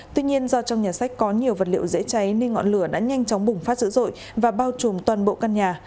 tuy nhiên do trong nhà sách có nhiều vật liệu dễ cháy nên ngọn lửa đã nhanh chóng bùng phát dữ dội và bao trùm toàn bộ căn nhà